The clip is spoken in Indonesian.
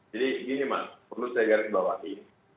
gini mas perlu saya garis bawahi